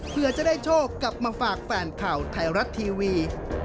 เพื่อจะได้โชคกลับมาฝากแฟนข่าวไทยรัฐทีวี